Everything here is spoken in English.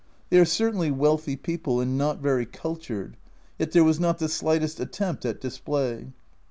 They are certainly wealthy people, and not very cultured, yet there was not the slightest attempt at display.